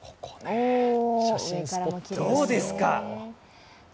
どうですか？